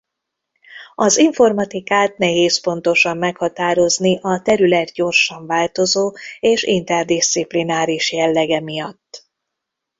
Az informatikát nehéz pontosan meghatározni a terület gyorsan változó és interdiszciplináris jellege miatt.